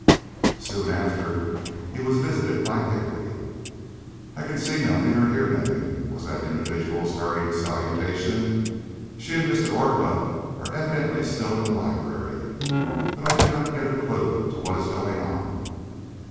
Soon after he was visited by Hickory. "I can see nothing and hear nothing," was that individual's hurried salutation. "She and Mr. Orcutt are evidently still in the library, but I cannot get a clue to what is going on.